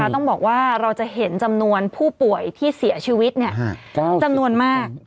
ต้องบอกว่าเราจะเห็นจำนวนผู้ป่วยที่เสียชีวิตจำนวนมาก